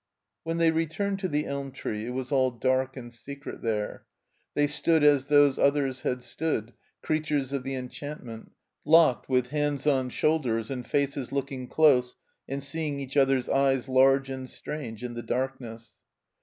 When they returned to the elm tree it was all dark and secret tiiere. They stood as those others had stood, creattires of the enchantment, locked, with hands on shoulders and faces looking dose and seeing each other's eyes large and strange in the darkness.